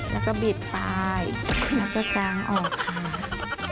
แล้วก็บิดปลายแล้วก็กางออกค่ะ